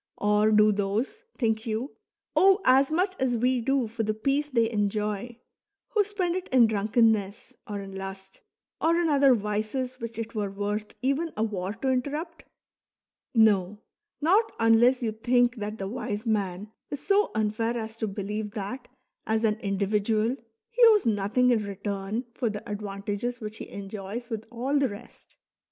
Or do those, think vou, owe as much as we do for the peace thev enjov, who spend it in drunkenness, or in lust, or in other Wees which it were worth even a war to interrupt . No, not unless you think that the wise man is so unfair as to believe that as an individual he owes nothing in return for the advantages which he enjoys with all the rest.